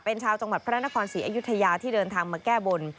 เป็นชาวจังหวัดพระนครศรีอยุธยาที่เดินทางมาแก้บน